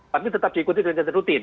tapi tetap diikuti dengan rutin